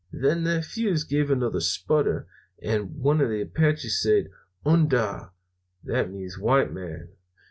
"Then that fuse gave another sputter and one of the Apaches said, 'Un dah.' That means 'white man.'